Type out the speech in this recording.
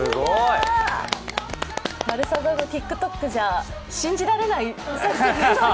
「まるサタ」のＴｉｋＴｏｋじゃ信じられない。